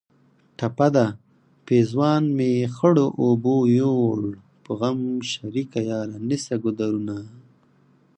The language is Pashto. ټپه ده: پېزوان مې خړو اوبو یوړ په غم شریکه یاره نیسه ګودرونه